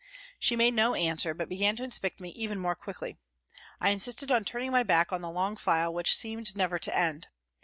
" She made no answer, but began to inspect me even more quickly. I insisted on turning my back on the long file which seemed never to end.